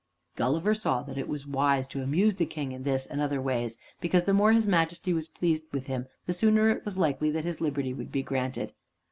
Gulliver saw that it was wise to amuse the King in this and other ways, because the more his Majesty was pleased with him the sooner was it likely that his liberty would be granted.